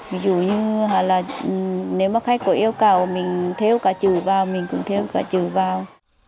ví dụ như là nếu mà khách có yêu cầu mình theo cả chủ vào mình cũng thêm cả chữ vào